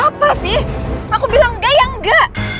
apa sih aku bilang enggak ya enggak